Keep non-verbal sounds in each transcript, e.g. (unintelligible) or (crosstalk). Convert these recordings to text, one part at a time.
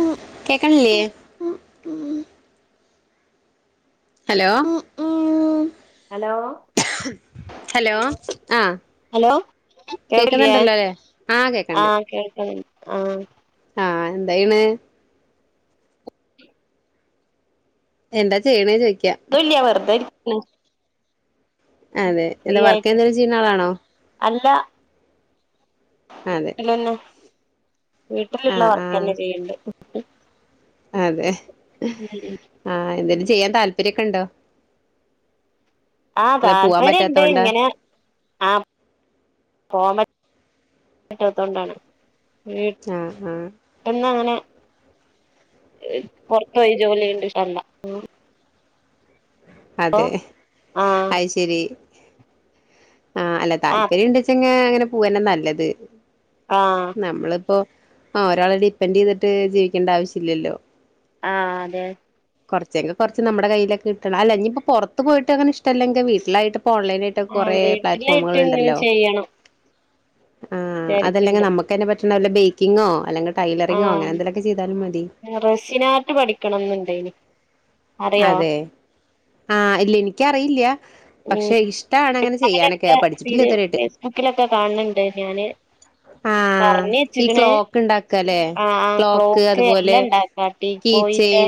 ഉ കേക്കണില്ലേ ഹലോ ഉ ഉ ഹലോ ഹലോ ആ ഹലോ കേൾക്കില്ലേ കേക്കുന്നുണ്ടല്ലോ അല്ലേ ആഹ കേക്കണ്ട് അഹ് ആഹ് എന്തായിണ് എന്താ ചെയ്യണേ ചോദിക്ക ല്ല്യ വെർ ണ് അതെ എന്താ വർക്ക് എന്തെങ്കിലും ചെയ്യുന്ന ആളാണോ അല്ല അതെ (unintelligible) വീട്ടിലുള്ള ആഹ് ആഹ് വർക്കന്നെ ചെയ്യണ്ട് അതെ ആഹ എന്ത ചെയ്യാൻ താല്പര്യൊക്കെ ഉണ്ടോ ആഹ അതോ പോവാൻ താല്പര്യുണ്ട് പറ്റാത്തോണ്ടാ ഇങ്ങനെ ആഹ പോ പറ്റത്തോണ്ടാണ് ആഹ് ആഹ് പെട്ടെന്ന് അങ്ങനെ പുറത്തു പോയി ജോലി ചെയ്യുന്നത് ഇഷ്ടമല്ല അതെ ആഹ് അത്ശരി ആഹ് അല്ല ആഹ് താല്പര്യം ഉണ്ടെച്ചങ്കി അങ്ങനെ പൂവന്നെ നല്ലത് ആഹ് നമ്മളിപ്പോ ആ ഒരാളെ ഡിപ്പെൻഡ് ചെയ്തിട്ട് ജീവിക്കേണ്ട ആവശ്യല്ലല്ലോ ആഹ അതെ കുറച്ചെങ്കികുറച്ച് നമ്മളെ കയ്യിലോക്കെ കിട്ടണം. അല്ല ഇനി ഇപ്പൊ പുറത്ത് പോയിട്ട് അങ്ങന ഇഷ്ടല്ലെങ്കിൽ വീട്ടിലായിട്ട് പ്പോ ഓൺലൈനായിയിട്ടൊക്കെ ആഹ് കൊറെ പ്ലാറ്റ്ഫോമുകൾ വീട്ടിലായിട്ട് ഇങ്ങനെ ഉണ്ടല്ലോ ചെയ്യണം ആഹ അതല്ലെങ്കിൽ വിചാരിക്ക്ണ്ട് നമ്മുക്കന്നെ പറ്റ ബേക്കിങ്ങോ അല്ലെങ്ക ആഹ റസിൻ ആർട്ട് പഠിക്കണന്നുണ്ടേനി അതെ ആഹ ഇല്ല എനിക്കറിയില്യ ഉം പക്ഷെ ഇഷ്ടണ അങ്ങനെ ചെയ്യാനൊക്കെ അങ്ങനെയൊക്കെ പഠിച്ചിട്ടില്ല ഇത് ഇതു വരായിട്ട് ഫേസ്ബുക്കിലൊക്കെ കാണുന്നുണ്ട് ഞാന് ആഹ പറഞ്ഞ് ഈ വെച്ചിക്കണ് ക്ലോക്ക് ഉണ്ടാക്കാൻ ആ ആ ക്ലോക്ക് എല്ലാം ഇണ്ടാക്കാംട്ടീ പോയിന്റെ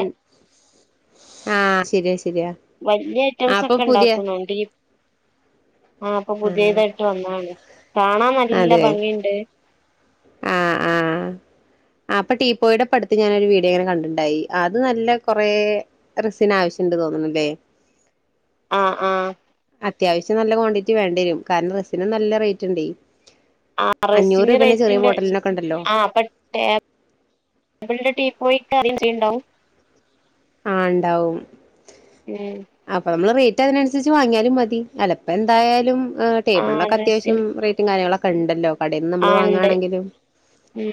ആഹ ശരിയാ ശരിയാ വലിയ ആ ഐറ്റംസ് അപ്പൊ ഒക്കെ പുതിയ ഉണ്ടാക്കുന്നുണ്ട് ആഹ അപ്പൊ പുതിയതായിട്ട് വന്നാണ് കാണാൻ നല്ല ഭംഗിയുണ്ട് ആഹ ആഹ അപ്പൊ ടീ പോയുടെ പഠിത്ത് ഞാനൊരു വീഡിയോ ഇങ്ങനെ കണ്ടിണ്ടായി അത് നല്ല കൊറെ റിസിന ആവശ്യംുണ്ട് തോന്നണല്ലേ ആഹ ആഹ അത്യാവശ്യം നല്ല ക്വാണ്ടിറ്റി വേണ്ട വരും കാരണം റസിന് നല്ല റേറ്റ് ഉണ്ട് ആറസിറേറ്റ് ബോട്ടലിനൊക്കെ ഇണ്ടല്ലോ ആ അപ്പ ബിി (inaudible) പോയിറം ചെയ്യണ്ടാവും (inaudible) ആഹ് ഇണ്ടാവും ഉം അപ്പൊ നമ്മള് റി- മറ്റ അതിനനുസരിച്ച് വാങ്ങിയാലും മതി അലപ്പോ എന്തായാലും ആ ടേബിളിലൊക്കെ അത്യാവിശം റസിന് റേറ്റും കാര്യങ്ങള- കണ്ടല്ലോ കടേന്ന് നമ്മൾ ആ ഉണ്ട് വാങ്ങയാണെങ്കിലും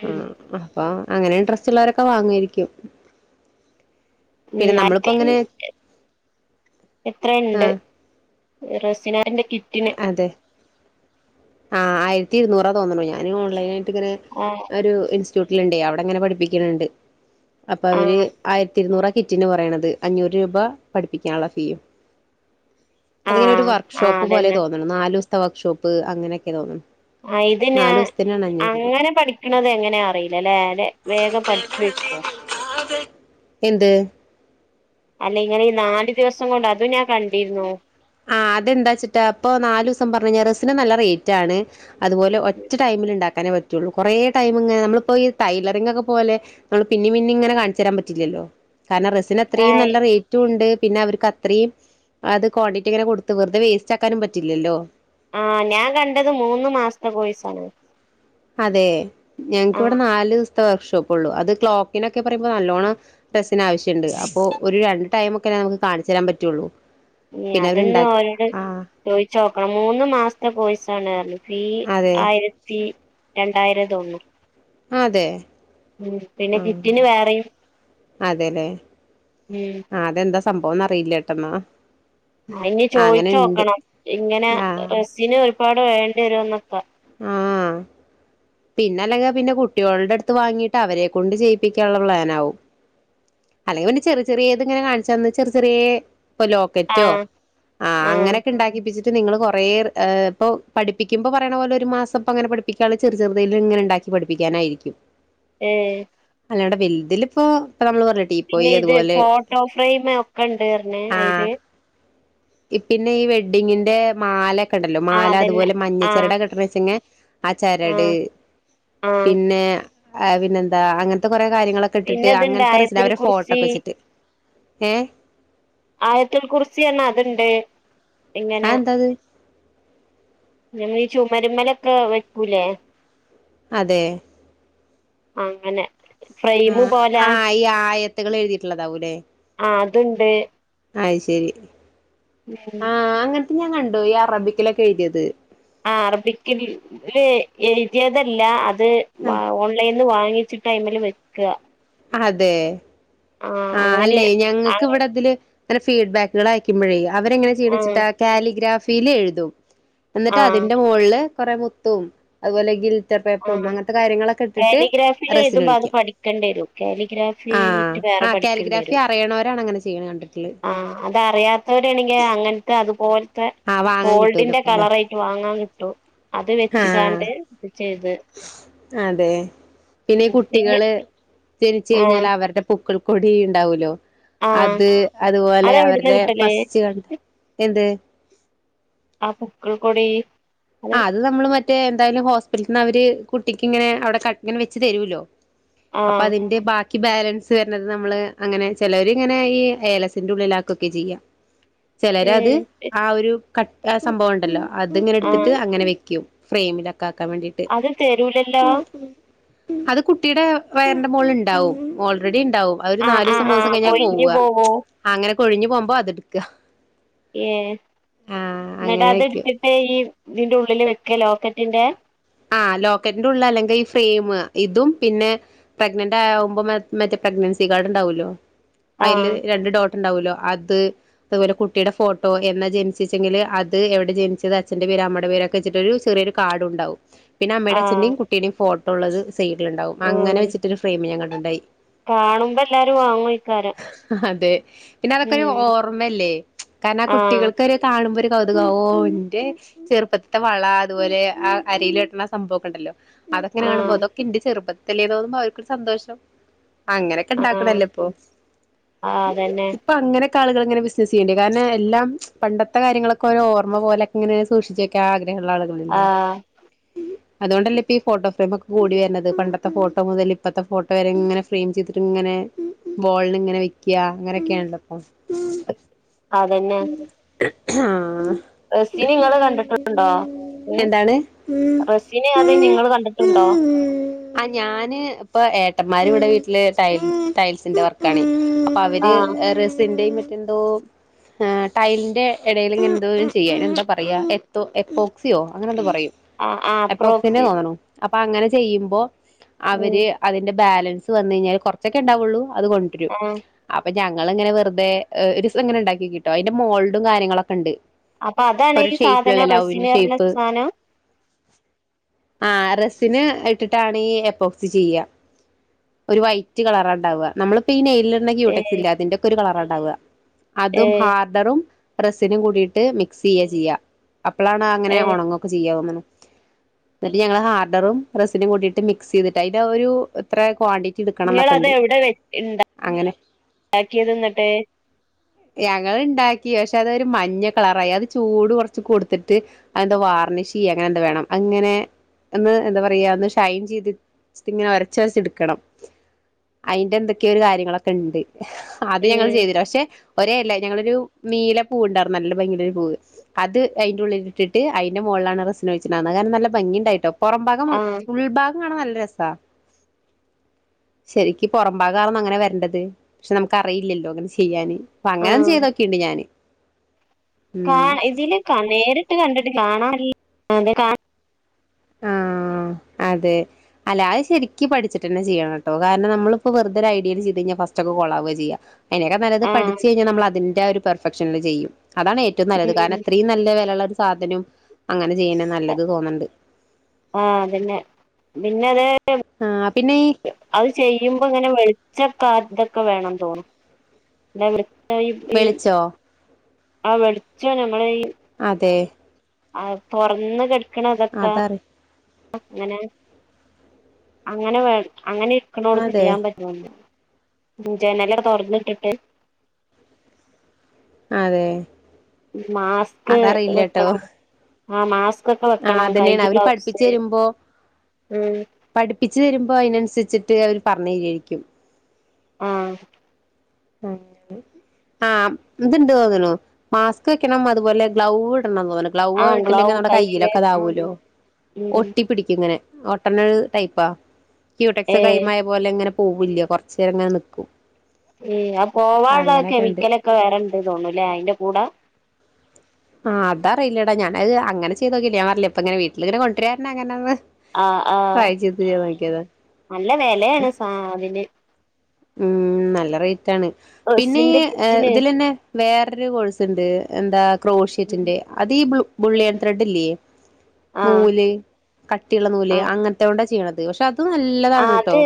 ഉം അപ്പൊ അങ്ങനെ ഡ്രസ്സിള്ളോരൊക്കെ വാങ്ങാരിക്കും ഉം മറ്റ എ എത്രെണ്ട് ആ റസിനാന്റെ കിറ്റിന് അതെ ആഹ് ആയിരത്തി ഇരുന്നൂറാ തോന്നണു ഞാനി ഓൺലൈനി ങ്ങനെ ആ അരു ഇൻസ് റ്റൂട്ടിലുണ്ടെ അവിടങ്ങനെ പഠിപ്പിക്കണണ്ട് അപ്പൊ ആ അവര് ആയിരത്തി ഇരുന്നൂറ- കിറ്റിന് പറയണത് അഞ്ഞൂറ് രൂപ പഠിപ്പിക്കാനുള്ള ഫീയും ആ അതിങ്ങനെ ഒരു ആ വർക്ക്ഷോപ്പ്- പോലെ അതന്നെ തോന്നുണു നാലുസ്- വർക്ക്ഷോപ്പ് അങ്ങനെയൊക്കെ തോന്നു ആ ഇത്ഞാ അങ്ങനെ പഠിക്കണത് എങ്ങന അറിയില്ലല്ലെ അല്ലേ ലെ വേഗം പഠിക്കുവരിക്കോ എന്ത് അല്ല ഇങ്ങനെ ഈ നാല് ദിവസം കൊണ്ട് അതും ഞാൻ കണ്ടിരുന്നു ആഹ് അതെന്താച്ചിട്ടാ അപ്പൊ നാലൂസം പറഞ്ഞഴിഞ്ഞാ ററിസിന് നല്ലറേറ്റണ് അതുപോലെ ഒറ്റ ടൈമിലിണ്ടാക്കാൻ പറ്റുള്ളൂ കുറേ ടൈംമിങ്ങനെ നമ്മളിപ്പൊ ഈ ടൈലറിങ്ങൊക്കെ പോലെ മ്മള് പിന്നേം പിന്നേം ഇങ്ങനെ കാണിച്ചരാൻ പറ്റില്ലല്ലോ കാരണം റസിന് അത്രയും ആയ് നല്ല റേറ്റുവുണ്ട് പിന്നെ അവര്ക്ക് അത്രയും അത് ക്വാണ്ടി- റ്റിങ്ങനെ കൊടുത്ത് വെറുതെ വേസ്റ്റാക്കാനും പറ്റില്ലല്ലോ ആ ഞാൻ കണ്ടത് മൂന്ന് മാസ്ത്തെ കോയ്സാണ് അതേ ഞങ്ങക്ക്വ്ടെ നാലൂസ് ത്തെ വർക്ക്ഷോപ്പുള്ളു അത് ക്ലോക്കിനൊക്കെ പറയുമ്പൊ നല്ലോണ്ണം റെസിന് ആവിശ്യണ്ട് അപ്പൊ ഒരു രണ്ട് ടൈംമൊക്കെ നമ്ക്ക് കാണിച്ചരാൻ പറ്റൂള്ളൂ ഏ അതിന്നാ ഓരോട് ചോയ്ച്ചോക്കണം മൂന്ന് മാസത്തെ കോഴ്സ് കാണാർന്നു ഈ അതെ ആയിരത്തി രണ്ടായിരം തോന്ന്ണു ആതെ ഉം പിന്നെ കിറ്റിന് വേറിം അതേല്ലേ ആ അതെന്താ സംഭവോന്ന ർപ്പയില്ലട്ടന്നാ ആ ഇനി ചോയിച്ചോക്കണം ഇങ്ങനെ ആ ബസ്സിന് ഒരുപാ ട് വേണ്ടി വരോന്നൊക്ക ആ പിന്നെ അല്ലങ്കെ പിന്നെ കുട്ട്യോൾടെട്ത്ത് വാങ്ങിട്ട് അവരെ കൊണ്ട് ചെയ്യിപ്പിക്കാള്ള പ്ലാനാവും അല്ലെങ്കിൽ പിന്നെ ചെറിയ ചെറിയത് ഇങ്ങനെ കാണിച്ചെന്ന് ചെറ് ചെറ്യേ ഇപ്പൊ ആ ലോക്കറ്റോ ആ അങ്ങനക്കെ ണ്ടാക്കിപ്പിച്ചി ത് നിങ്ങള് കൊറേ ർ ഏ പ്പോ പഠിപ്പിക്കുമ്പോ പറയണ പോലെ ഒരു മാസംപ്പങ്ങനെ പഠ്പ്പിക്കാൻച്ച ചെറ് ചെറ്‌തേലിങ്ങനെണ്ടാക്കി പഠിപ്പിക്കാനായിരിക്കും ഏ ന്നേട വൽതിലിപ്പോ പിന്നെ ഇത് ഫോട്ടോ ഫ്രെയ്മ് ഒക്കെണ്ട്റഞ്ഞെ അയ്ല് ഇ പിന്നെ ഈ വെഡ്ഡിങ്ങിന്റെ മാല കണ്ടല്ലോ ആഹ് മാല അതന്നെ അതുപോലെ ആഹ് മഞ്ഞച്ചരടാകെട്ട്ണേച്ചങ്ങേ ചരട് ആഹ് ആഹ് ആ പിന്നെന്താ അങ്ങൻത്തെ കൊറേ കാര്യങ്ങളൊക്കെട്ട്ട്ട് പിന്നെ ഇതുണ്ട് അങ്ങൻത്തെ റസ് ല് ആയത്തുൽ അവരെ കുർസി ഫോട്ടോക്കെവെച്ച്ട്ട് ഏ ആയത്തുൽ കുറിസിയെന്ന അത്ണ്ട് എങ്ങന ആ എന്താത് ഞങ്ങ ചുമരുമെലെക്ക വെക്കൂലേ അതേ അങ്ങനെ ആ ഫ്രെയിമും പോലാ ആ ഈ ആയത്തുകൾ ആ അത്ണ്ട് അയ്ശെരി ആ അങ്ങനത്തെ ഞാൻ കൺ ണ്ടോ ഈ അറബിക്കലൊക്ക എഴുതിയത് അറബിക്കില് എഴുതിയതല്ല ത് വാ ആ ഓൺലൈൻ വാങ്ങിച്ചിട്ടയ്മല് വെക്ക അതെ ആ അങ്ങനെ അല്ലെ ഞങ്ങക്ക് ആഹ് ഇവിടത്തില് അങ്ങന ഫീഡ്ബാക്കുകളയ്ക്കുമ്പഴേക അവരങ്ങനെ ചീണ് ആഹ് വച്ചിട്ടാ കാലിഗ്രാഫ് വില എഴുതും എന്നിട്ട് ആഹ് അതിന്റെ മോളില് കുറെ മുത്തും അതുപോലെങ്കിൽ ആ കാലിഗ്രാഫിൽ എഴുതുമ്പ അത് റെസിനൊഴിക്കുക പഠിക്കേണ്ടി വരും കാലിഗ്രാഫി ആഹ് ആഹ് കാലിഗ്രാഫി ഠിക്കേണ്ടവരും അറിയണവരാണ് അങ്ങനെ ചെയ്യണ കണ്ടിട്ടുള്ളത് ആ അതറിയാത്തവരാണെങ്കിൽ അങ്ങനത്തെ അതുപോ ആഹ് വാങ്ങാൻ കിട്ടൂലോ ഗോൾഡിന്റെ ഇപ്പോലെ കളറായിട്ട് വാങ്ങാൻ ട്ടു അത് ആഹ് വെച്ച്കാണ്ട് ശരി അതെ പിന്ന പിന്നെ കുട്ടികള് ജനിച് ആഹ് കഴിഞ്ഞാല് അവര്ടെ പോ പൊക്കിൾ കൊടി ഉണ്ടാവല്ലോ ആഹ് അത് അതുപോലെ അതെവിടുന്നാ അവരുടെ കിട്ടല് ഫസ്റ്റ് കണ്ട് ഏത് ആ പോക്കൾ കൊടി ആ അത് നമ്മള് മറ്റേ എന്തായാലും ഹോസ്പിറ്റൽന് അവര് കുട്ടിക്ക്ങ്ങനെ അവിടെ ക വെച്ച് തരുല്ലോ അപ്പോ ആഹ് അതിന്റെ ബാ ബാലൻസ് വര്ണത് നമ്മള് അങ്ങനെ ചിലർ ഇങ്ങനെ ഈ ഏലസിന്റെ ഉള്ളില ആക്കൊക്കെ ചെയും ചിലരത് ഏഹ് ആ ഒരു കട്ട സംഭവം ഉണ്ടല്ലോ അത് ടുത്തിട്ട് ആഹ് അങ്ങെ വെക്കും ഫ്രെയിമില അത് തരൂലല്ലോ അത് കുട്ടിടെ വയറിന്റെ മോൾ ഉണ്ടാവും ഓൾറെഡി ണ്ടാവും ഒരു ആഹ് നാല്സം ആഹ് മൂന്സം ആഹ് കഴിഞ്ഞാ കൊഴിഞ്ഞു പോവാ പോവോ അങ്ങന പ്ഴിഞ്ഞു പോമ്പോ അതെടുക്ക ഏ ന്നിട്ട് അങ്ങനെ അത്‌ വെക്കും എടുത്തിട്ട് ഈ ഇതിന്റെ ഉള്ളില് വെക്ക ലോക്കറ്റിന്റെ ആ ലോക്കറ്റിന്റെ ഉള്ള് അല്ലെങ്കി ഈ ഫ്രെയിമ് ഇതും പിന്നെ പ്രഗ്നന്റ് ആകുമ്പോ മറ്റേ പ്രഗ്നൻസി കാർഡ് ഉണ്ടാവൂല്ലോ അതില് ആഹ് രണ്ട് ഡോ ഉണ്ടാവൂല്ലോ അത് അതുപോലെ കുട്ടിടെ ഫോട്ടോ എന്നാ ജനിച്ചിച്ചിച്ചെങ്കില് അത്. എവിടെ ജനിച്ചത്? അച്ഛന്റെ പേര് അമ്മടെ പേരൊക്കെ വെച്ചിട്ട് ഒരു ചെറിയൊരു കാഡുണ്ടാവും. പിന്നെമ്മേടേം ആഹ് അച്ഛന്റേം കുട്ടിടീം ഫോ ട്ടോള്ളത് സൈഡില്ണ്ടാവും ആഹ് അങ്ങനെവെച്ചിട്ട് ഒര് ഫെയിം ഞാൻ ക ണ്ടായി കാണുമ്പോ എല്ലാരും വാങ്ങും മിക്കവാറും അതെ പിന്നെ അതൊക്കെ ഒരു ഓർമ്മല്ലേ? കാരണം ആ ആഹ് കുട്ടികൾക്ക ഒര് കാണുമ്പോ ഒര് കൗതുകാവും. ഓ ന്റെ ചെറുപ്പത്ത്ത്തെ വള അതുപോലെ ആ അരയിലെട്ടണ ആ സംഭവൊക്കേണ്ടല്ലോ അതൊക്കെങ്ങനെ കാണുമ്പോ ആഹ് ഇതൊക്കെ ന്റെ ചെറുപ്പ ത്ത്ലേ തോന്നുമ്പോ അവർക്കൊരു സന്തോഷം. അങ്ങനൊക്കെ ആഹ് ഇണ്ടാക്കണല്ലേ ഇപ്പോ. ആ അതന്നെ ഇപ്പ അങ്ങനെ ക്കെ ആളുകൾ ഇങ്ങനെ ബസിനസ് ചെയ്യ്ണ്ടേ. കാരണം എല്ലാം പണ്ടത്തെ കാര്യങ്ങളൊക്കെ ഒര് ഓർമ്മ പോലൊക്കെങ്ങനെ സൂക്ഷിച്ചെക്കാൻ ആഗ്ര ഹള്ള ആ ആളുകള്ല്ലേ? അതുകൊണ്ടല്ലേ ഇപ്പ ഈ ഫോട്ടോ ഫ്രെയിം ഒക്കെ കൂടി വരണത്. പണ്ടത്തെ ഫോട്ടോ മുതൽ ഇപ്പത്തെ ഫോട്ടോ വരെ ഇങ്ങനെ ഫ്രെയിം ചെയ്തിട്ട് ഇങ്ങനെ വോളിലിങ്ങനെ വെക്കാ. അങ്ങനെയൊക്കെയാണല്ലോ ഇപ്പോ. അതന്നെ ആ റെസിന് നിങ്ങള് കണ്ടിട്ടുണ്ടോ ഏ എന്താണ് റെസിനെ അത് നിങ്ങള് കണ്ടിട്ടുണ്ടോ ആ ഞാന് ഇപ്പോ ട്ടന്മാരും ഇവിടെ വീട്ടില് ടൈൽ ടൈൽസിന്റെ വർക്കാണേ പ്പ ആ അവര് റസിന്റെയും എന്തോ ഏഹ് ടൈലിന്റെ എടേല് ഇങ്ങനെ എന്തോര് ചെയ്യാ. എന്താ പറയാ എപ്പ് എപ്പോക്സിയോ അങ്ങനെ എന്തോ പറയും. ആ ആ എപ്രോക്സി അപ്പോ അങ്ങനെ ചെയ്യുമ്പോ അവര് അതിന്റെ ബാലൻസ് വന്നയിഞ്ഞാൽ അത് കൊറച്ചൊക്കെ ഉണ്ടാവുള്ളൂ അത് കൊണ്ട് രും ആ അപ്പ ഞ ങ്ങള്ങ്ങനെ വെറ്തെ ഏഹ് ഒരീസം ങ്ങനെ ണ്ടാക്കി ക്കിട്ടോ അതിന്റെ മോൾഡും കാര്യങ്ങളൊക്കെണ്ട് അപ്പൊ അതാണ് ഈ സാധനം റസിമീറിന ഷേപ്പ് സാധനം ആ റസിന് ഇട്ടിട്ടാണ് ഈ എപ്പോക്സി ചെയ്യുക ഒരു വൈറ്റ് കളറണ്ടാവുക നമ്മളിപ്പോ ഏ ക്ൂടെക് ഇ അതിന്റെ ഒരു കളറാണ് അവ ഏ അതും ഹാർഡറും റെസിനും കൂടിട്ട് മിക്സ് ചെയ്യാ ചെയ്യ അപ്പോളാണ് അങ്ങനെ ഏ ഉണങ്ങൊക്കെ ചെയ്യാവുന്നുന്നത് എന്നിട്ട് ഞങ്ങള് ഹാർഡറും സിനും കൂട്ടട്ട് മിക്സ് ചെയ്തിട്ട് അതിന്റെ ഒരു എത്ര ക്വാണ്ടിറ്റി എടുക്കണം നിങ്ങ എന്നൊക്കെ അത് ഉണ്ട് എവിടെ വണ്ട അങ്ങനെ ഉണ്ടാക്കിയത് എന്നിട്ട് ഞങ്ങൾ ഇണ്ടാക്കി പക്ഷെ അതൊ ഒരു മഞ്ഞ കളറായി അത് ചൂട് കുറച്ച് കൊടുത്തിട്ട് അതെന്താ വാർണിഷ് ചെയ്യ അങ്ങനെ എന്താ വേണം അങ്ങനെ ഒന്ന് എന്താ പറയാ ഒന്ന് ഷൈൻ ചെയ്തിട്ട് ഇങ്ങനെ ഒരച്ചരച്ച എടുക്കണം അതിന്റെ എന്തൊക്കെയൊ ഒരു കാര്യങ്ങളൊക്കെ ഉണ്ട് അത് ഞങ്ങൾ ഉം ചെയ്തിരാ പക്ഷെ ഒരേ അല്ല ഞങ്ങളൊരു നീലൂ ഉണ്ടായിരുന്നു നല്ല ഭംഗിയ ഒരു പൂവ അത് അതിന്റെറെ ഉള്ളില ഇട്ടിട്ട് അതിന്റെ മുകളിലാണ് റസന് വെിച്ചിട്ടണ്ടുന്നത് കാരണം നല്ല ഭംഗി ഉണ്ടായിട്ടോ പുറം ഭാഗം ആ ഉൾഭാഗം കാണ നല്ല രസാ ശരിക്ക പുറമ്പാകറന്ന അങ്ങനെ വരേണ്ടത് പക്ഷെ നമുക്ക് അറിയില്ലല്ലോ അങ്ങനെ ചെയ്യാന് അപ്പൊ ആ അങ്ങനെ ചെയ്തൊക്കെയുണ്ട് ഞാാന് കാ ഇതില് നേരിട്ട് കണ്ടിട്ട് കാണാം അ അതെ കാ ആഹ അതെ അല്ലാതെ ശെരിക്കക്ക് പഠിച്ചിട്ട് തന്നെ ചെയ്യണം കേട്ടോ കാരണം നമ്മളിപ്പോ വെറുതെരു ഐഡിയൽ ചെയ്ത് കഴിഞ്ഞാൽ ഫസ്റ്റ് ഒക്കെ കൊളാവുക ചെയ്യ അതിനെയക്കെ നല്ലത് ആ പഠിച്ചച്ച് കഴിഞ്ഞാ നമ്മള അതിന്റെ ഒരു ഫക്ഷനിൽ ചെയ്യും അതാണ് ഏറ്റവും നല്ലത് കാരണം ഉം അത്രയും നല്ല വിലയുള്ള ഒരു സാധനം അങ്ങനെ ജ്യനൻ നല്ലത് തോന്നുന്നുണ്ട് ആഹതന്നെ പിന്നെത് ആഹ് പിന്നെ അത് ചെയ്യുമ്പോ ഇങ്ങനെ ഉച്ചക്കെ ഇതൊക്കെ വേണം തോന്നും ഇ ആ ഇ വിളിച്ചോ ആ വെളിച്ച നഞമ്മളെ ഈ അതെ ആ പൊറന്ന് കെ ക്കണ തക്ക അതറി അങ്ങനെ അങ്ങനെ വേ അങ്ങനെ ഇരിക്കുന്നോടുത്ത് അതെ ചെയ്യാൻ പറ്റോ പൂജ നല്ലട തുറന്നട്ടിട്ട് അതെ മാസ്ക് അതറിയില്ലട്ടോ വെക്കണം. ആ മാസ് ആഹ്, അതന്നെണ്. അവര് പഠിപ്പിച്ചരുമ്പോ ഉം പഠിപ്പ ഇജ് വരുമ്പോ അതിനനുസരിച്ചിട്ട് അവര് പറഞ്ഞില്ലേക്കും. ആഹ് ആഹ് ഇത്ണ്ട് തോന്ന്ണു മാസ്ക് വെക്കണം അതുപോലെ ഗ്ലൗവ് തോന്നുന്നു ഗ്ലൗവ ആയിട്ടില്ലെങ്കിൽ (unintelligible) ഗ്ലാവ് ആഹ് ഗ്ലൗ ഇട്ടില്ലെങ്കിൽ നമ്മുടെ കയ്യില് കയ്യിലൊക്കെ ഇതാവകല്ലോ ഉം ഒട്ടി പിടിക്കും ഇങ്ങനെ ഒട്ട്നെ ടൈപ്പാ ക്യുടെക്സ് ഏഹ് കൈമായ പോലെ ഇങ്ങനെ പോവില്ല കുറച്ചേരങ്ങനെ നിക്കും. ഏഹ്, അത് പോവാലെ അങ്ങനെയൊക്കെ ഉണ്ട് കെമിക്കലൊക്കെ വേറെണ്ട് തോന്നൂല്ലേ അതിന്റെ കൂടെ ആഹ് അതറിയില്ലട ഞാനത് അങ്ങനെ ചെയ്തോക്കീലാ, ഞാൻ പറഞ്ഞില്ലേ ഇപ്പങ്ങനെ വീട്ടിലിങ്ങനെ കൊണ്ടരാ അങ്ങന്ന് ആഹ് ആഹ്, നല്ല വെലയാണ് സ അതില് ഉം നല്ല റേയ് റ്റാണ്. പിന്നെ ഡ്രസ്സിന്റെ കിറ്റിന് ഇതിലന്നെ വേറൊരു കോഴ്സുണ്ട് എന്താ ബുൾഷിറ്റിന്റെ, അത് ഈ ബ്ലൂ ബുള്ളിയൻ ആഹ് ത്രഡില്ലേ ആഹ് നൂല്, കട്ടിയുള്ള നൂല് അങ്ങനത്തോണ്ടാ ചെയ്യണത്. പക്ഷെ അ ആഹ് അത്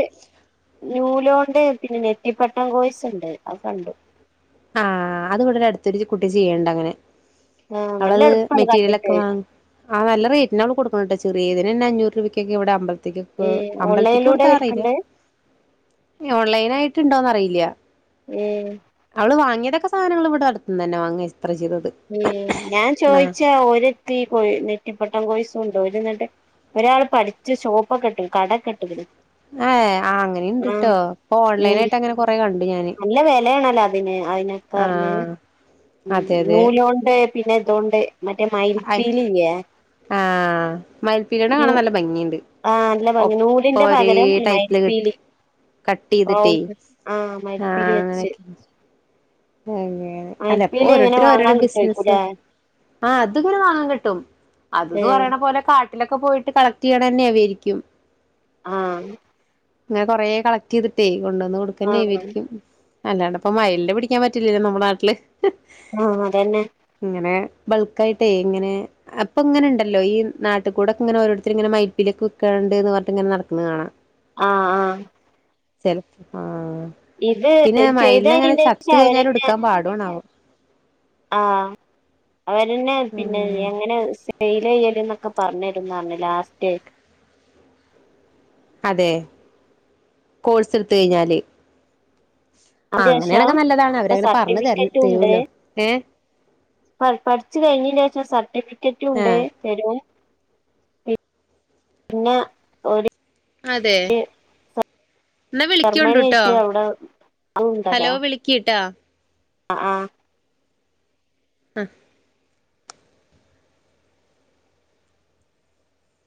നൂലോണ്ട് പിന്നെ നെ റ്റിപട്ടം കോഴസുണ്ട്. അത് കണ്ട് ആഹ് അത് ഇവിടൊരു അടുത്തൊരു കുട്ടി ചെയ്യണ്ട് അങ്ങനെ ആഹ് നല്ല അവളത് എളുപ്പമാണ് കണ്ടിട്ട് മെറ്റീരിയലൊക്കെ വാങ്, ആഹ് നല്ല റേറ്റിനാ അവള് കൊടുക്കണട്ടോ ചെ ചെറിയതിനന്നെ അഞ്ഞൂറ് രൂപയ്ക്കൊക്കെ ഇവിടെ അമ്പ ഈ ത്തിക്കൊക്കെ, അമ്പലത്തിക്ക് ഓൺലൈനിലൂടെ കൊടുത്താ അറിയില്ല. വിൽക്കണ്ട് ഇനി ഓൺലൈൻ ആയിട്ട് ഇണ്ടോന്നറി ഇല്ല്യാ ഏഹ് അവള് വാങ്ങിയതൊക്കെ സാധങ്ങള് ഇവിടെ അടുത്തിന്നനെ വാങ്ങില് സ് ഹ്മ്മ്, ഞാൻ ചോയിച്ചാ ഒരുത്തി പോ നെറ്റിപ്പട്ടം കോഴിസ് ണ്ട്. ഓരിന്നട്ട് ഒരാള് പഠിച്ചു ഷോപ്പൊക്കെ ഇട്ട്ക്ക് കടക്കെ ഇട്ട്ക്ക്ന്. ആഹ്, അങ്ങനെയിണ്ട്ട്ടോ, ഇപ്പൊ ഉം ഓൺലൈൻ ആയിട്ട് അങ്ങനെ കൊറേ കൻ നല്ല വെലയാണല്ലേ അ പിന്നേ അയി ആഹ് ഉം അതെ അതെ നൂലോണ്ട് പിന്നെ ഇതോണ്ട് മറ്റേ മൈൽപ്പീലിയില്ല്യേ ആ മയിൽപ്പീലീടെ കാണാൻ നല്ല ഭംഗിയി ആ നല്ല ഭംഗി നൂലിന്റെ പകരം ടൈപ്പില് കിട്ട് മയിൽപ്പീലി കട്ട് പ്രൊ ചെയ്തിട്ടേ ആ ആഹ് മയിൽപ്പീലി വെച്ച് അങ്ങനെയൊക്കെ അങ്ങനെ അല്ലപ്പൊ മയിൽപ്പീലി എങ്ങനെ ഓരോരുത്തരും വാങ്ങാൻ ഓരോരോ ബിസിനസ് കിട്ടുവായിരിക്കുംല്ലേ ആ അത് കൊറേ വാങ്ങാൻ കിട്ടും അത്ന്ന് ഏഹ് പറയണ പോലെ കാ കാട്ടിലൊക്കെ പോയിട്ട് കളക്ട് ചെയ്യണ തന്നെ അവേരിക്കും ആഹ് അങ്ങനെ കൊറേ കളക്ട് ചെയ്തിട്ടേ കൊണ്ടന്ന് ആഹ് കൊടുക്കന്നെയവിരിക്കും അല്ലാണ്ട് അപ്പ മലിന്റെ പിടി ക്കാൻ പറ്റില്ലല്ലോ നമ്മുടെ നാട്ടില് ആ അതന്നെ ബൾക്ക് ആായിട്ടേ ഇങ്ങനെ അപ്പൊ ഇങ്ങനെ ഇണ്ടല്ലോ ഈ നാട്ടുകൂടെൊക്കെ ഇങ്ങനെ ഓരോരുത്തർ ഇങ്ങനെ മൈപ്പിലൊക്കെ വെക്കാണ്ട് എന്ന് പറഞ്ഞട്ട് ഇങ്ങനെ നടക്കുന്നത് കാണാം ആ ആ ചലപ്പ ആ ഇത് ചെയ്ത എത്ത് കഴഞ്ഞാലുടുക്കാൻ പാടണാവോ ആ അവരന്നെ പിന്നെ ആഹ് എങ്ങനെ (unintelligible) ല്ലല എന്നൊക്കെ പറഞ്ഞിരുന്നാണ് ലാസ്റ്റ് അതെ കോഴ്സ് എടുത്ത കഴിഞ്ഞാല് ആ അതിന്റേഷം അങ്ങനെയണൊക്കെ നല്ലതാണ് അവരങ്ങനെ പറഞ്ഞു ത സർട്ടിഫിക്കറ്റും ഉണ്ട് തരുൂലോ ഏ പഠിച്ചു കഴിഞ്ഞന് ശേഷം സർട്ടിഫിക്കറ്റ ഉണ്ട് ആഹ് തരും പിന്നെ ഒരു അതെ എന്നാ വിളിക്കോണ്ട് ജർമ്മണി ട്ടോ ആയിട്ട് അവിടെ അതും ഹലോ വിളിക്കിട്ടാ ആ ആ ആ